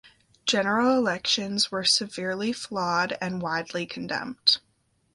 General elections were severely flawed and widely condemned.